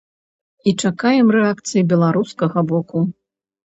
І чакаем рэакцыі беларускага боку.